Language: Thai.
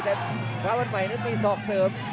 แต่พระวันใหม่นึงมีศอกเสริม